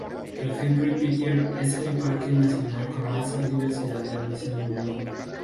El Henri Pittier es el parque nacional con más diversidad de aves del mundo.